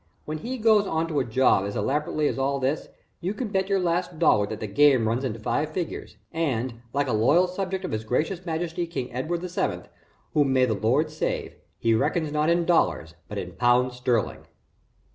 When he goes on to a job as elaborately as all this, you can bet your last dollar that the game runs into five figures, and, like a loyal subject of his Gracious Majesty King Edward VII, whom may the Lord save, he reckons not in dollars but in pounds sterling."